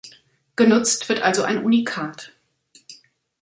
Genutzt wird also ein Unikat.